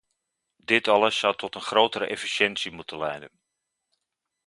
Dit alles zou tot een grotere efficiëntie moeten leiden.